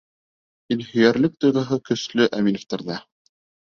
Илһөйәрлек тойғоһо көслө Әминевтәрҙә.